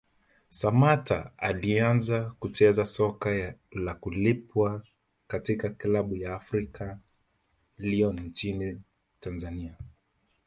Samatta alianza kucheza soka la kulipwa katika klabu ya African Lyon nchini Tanzania